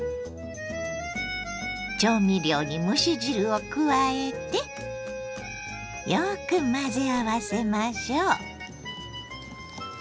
調味料に蒸し汁を加えてよく混ぜ合わせましょう。